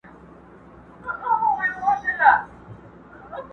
هېري له ابا څه دي لنډۍ د ملالیو؛